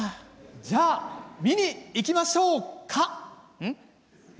じゃあ見に行きましょうか？